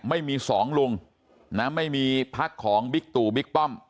ไม่มีสองลุงนะไม่มีพักของบิ๊กตู่บิ๊กป้อม